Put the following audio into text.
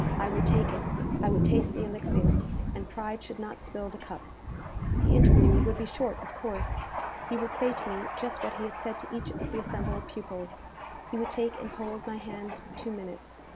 I would take it I would taste the elixir, and pride should not spill the cup. The interview would be short, of course. He would say to me just what he had said to each of the assembled pupils. He would take and hold my hand two minutes.